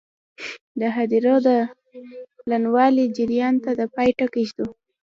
د هدیرو د پلنوالي جریان ته د پای ټکی ږدو.